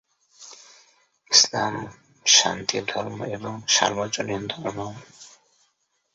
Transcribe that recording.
Kaykobad Saint Gregory স্কুলে অধ্যয়ন করেন।